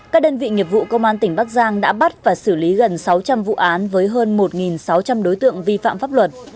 các đơn vị nghiệp vụ công an tỉnh bắc giang đã bắt và xử lý gần sáu trăm linh vụ án với hơn một sáu trăm linh đối tượng vi phạm pháp luật